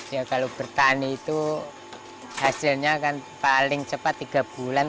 ya kalau bertani itu hasilnya kan paling cepat tiga bulan